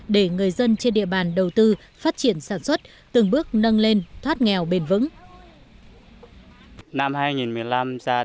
để người dân trên địa bàn đầu tư phát triển sản xuất từng bước nâng lên thoát nghèo bền vững